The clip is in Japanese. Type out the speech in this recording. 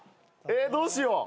どうしよう。